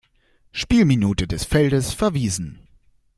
Spielminute des Feldes verwiesen.